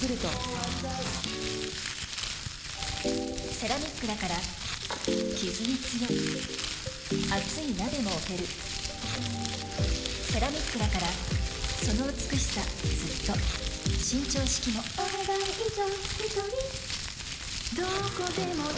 セラミックだからキズに強い熱い鍋も置けるセラミックだからその美しさずっと伸長式もお、ねだん以上。